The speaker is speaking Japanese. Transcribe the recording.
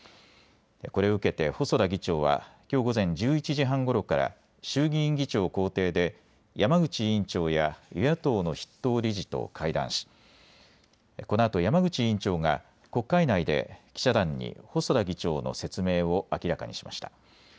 これを受けて細田議長はきょう午前１１時半ごろから衆議院議長公邸で山口委員長や与野党の筆頭理事と会談しこのあと山口委員長が国会内で記者団に細田議長の説明を明らかにしました。